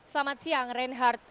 selamat siang reinhardt